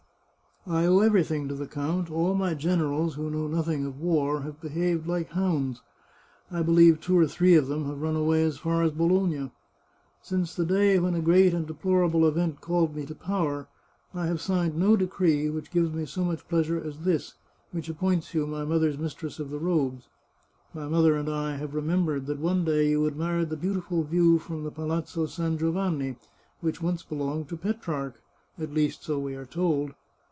I owe everything to the count ; all my gen erals, who know nothing of war, have behaved like hounds. I believe two or three of them have run away as far as Bologna. Since the day when a great and deplorable event called me to power, I have signed no decree which gives me so much pleasure as this, which appoints you my mother's 436 The Chartreuse of Parma mistress of the robes. My mother and I have remembered that one day you admired the beautiful view from the Palaz zetto San Giovanni, which once belonged to Petrarch — at least, so we are told.